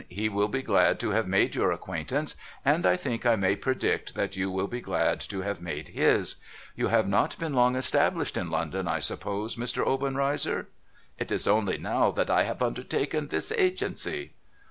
He will be glad to have made your acquaintance, and I think I may predict that you will be glad to have made his. You have not been long established in London, I suppose, Mr. Obenreizer ?'' It is only now that I have undertaken this agency.'